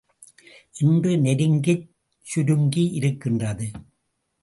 இன்று நெருங்கிச் சுருங்கியிருக்கின்றது.